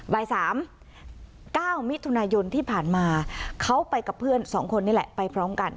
บ่าย๓๙มิถุนายนที่ผ่านมาเขาไปกับเพื่อน๒คนนี่แหละไปพร้อมกัน